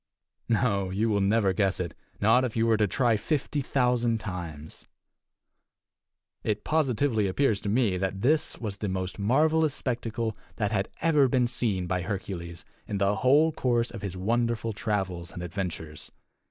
No, you will never guess it not if you were to try fifty thousand times! It positively appears to me that this was the most marvelous spectacle that had ever been seen by Hercules in the whole course of his wonderful travels and adventures.